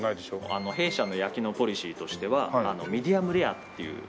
あの弊社の焼きのポリシーとしてはミディアムレアっていう。